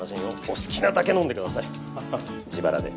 お好きなだけ飲んでください自腹で。